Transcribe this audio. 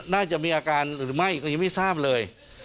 น่าจะมีอาการหรือไม่ก็ยังไม่ทราบเลย